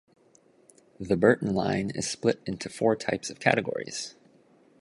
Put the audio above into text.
The Burton line is split into Four types of categories.